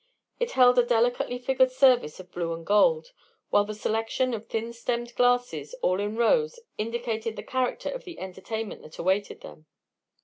It held a delicately figured service of blue and gold, while the selection of thin stemmed glasses all in rows indicated the character of the entertainment that awaited them.